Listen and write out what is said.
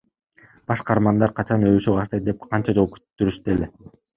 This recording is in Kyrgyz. Баш каармандар качан өбүшө баштайт деп канча жолу күттүрүштү эле?